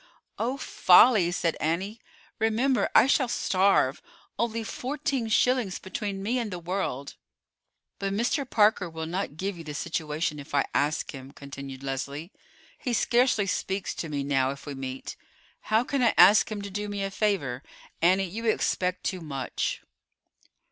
"Oh, folly!" said Annie. "Remember, I shall starve. Only fourteen shillings between me and the world!" "But Mr. Parker will not give you the situation if I ask him," continued Leslie. "He scarcely speaks to me now if we meet. How can I ask him to do me a favor? Annie, you expect too much."